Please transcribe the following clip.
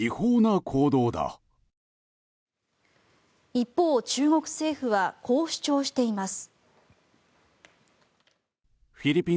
一方、中国政府はこう主張しています。